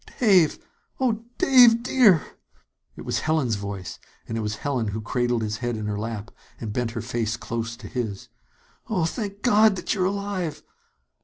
"Dave! Oh, Dave, dear!" It was Helen's voice, and it was Helen who cradled his head in her lap and bent her face close to his. "Oh, thank God that you're alive